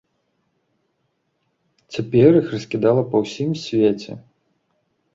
Цяпер іх раскідала па ўсім свеце.